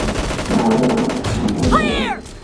এটি একটি বার্ষিক ফসল যা বীজের মাধ্যমে বংশবিস্তার করে।